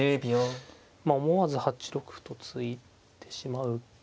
まあ思わず８六歩と突いてしまうか。